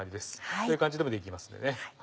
そういう感じでもできますんでね。